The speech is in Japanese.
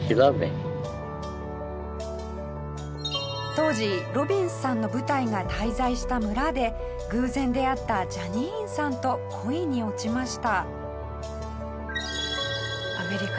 当時ロビンスさんの部隊が滞在した村で偶然出会ったジャニーンさんと恋に落ちました。